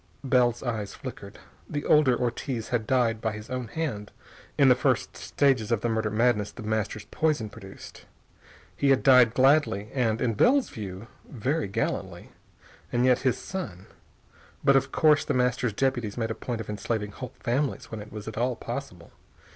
Bell's eyes flickered. The older Ortiz had died by his own hand in the first stages of the murder madness The Master's poison produced. He had died gladly and, in Bell's view, very gallantly. And yet his son.... But of course The Master's deputies made a point of enslaving whole families when it was at all possible.